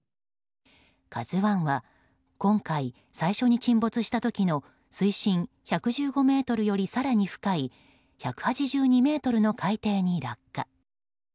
「ＫＡＺＵ１」は今回最初に沈没した時の水深１１５ｍより更に深い１８２ｍの海底に落下。